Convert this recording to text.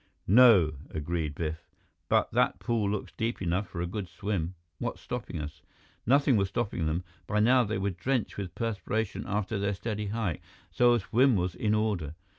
"No," agreed Biff. "But that pool looks deep enough for a good swim. What's stopping us?" Nothing was stopping them. By now, they were drenched with perspiration after their steady hike, so a swim was in order.